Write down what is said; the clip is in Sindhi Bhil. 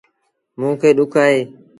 مو کي ڏُک اهي